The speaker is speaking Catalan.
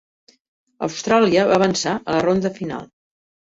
"Austràlia" va avançar a la ronda final.